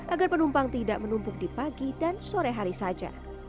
agar penumpang tidak menumpuk di pagi dan sore hari saja